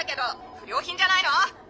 不良品じゃないの！？